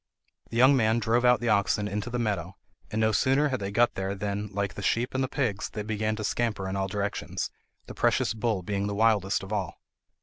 The young man drove out the oxen into the meadow, and no sooner had they got there than, like the sheep and the pigs, they began to scamper in all directions, the precious bull being the wildest of all.